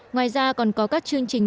ngoài ra còn có các chương trình